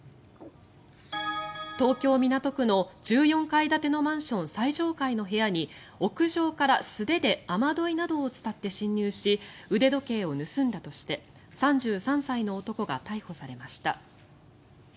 東京・港区の１４階建てのマンション最上階の部屋に屋上から素手で雨どいなどを伝って侵入し腕時計を盗んだとして３３歳の男が逮捕されました。